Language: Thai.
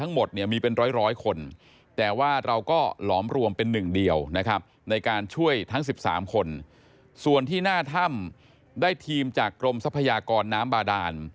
ส่วนที่หน้าถ้ำได้ทีมจากกรมทรัพยากรน้ำบาดาน